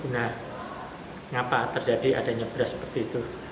mengapa terjadi adanya beras seperti itu